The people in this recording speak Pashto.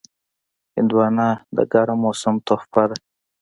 هندوانه د ګرم موسم تحفه ده.